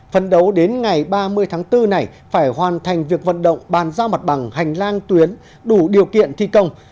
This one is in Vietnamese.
phấn đấu đến ngày ba mươi tháng bốn này phải hoàn thành việc vận động bàn giao mặt bằng hành lang tuyến đủ điều kiện thi công